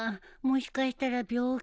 もしかしたら病気。